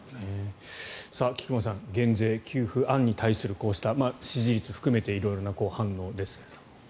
菊間さん減税、給付案に対して支持率含めてこうした色々な反応ですが。